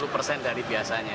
dua puluh persen dari biasanya